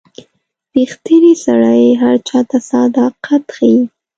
• ریښتینی سړی هر چاته صداقت ښيي.